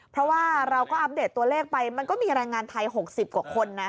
เพราะว่าเราก็อัปเดตตัวเลขไปมันก็มีแรงงานไทย๖๐กว่าคนนะ